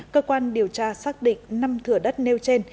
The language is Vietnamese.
cơ quan điều tra xác định năm thửa đất nêu trên